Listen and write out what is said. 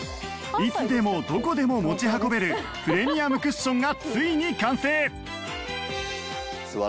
いつでもどこでも持ち運べるプレミアムクッションがついに完成